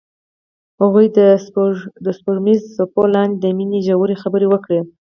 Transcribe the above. هغوی د سپوږمیز څپو لاندې د مینې ژورې خبرې وکړې.